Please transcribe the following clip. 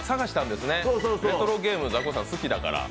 レトロゲーム、ザコシさん好きだから。